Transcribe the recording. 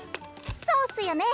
そうっすよね。